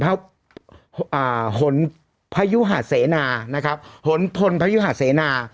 พยุหาเสนานะครับหนพลพยุหาเสนา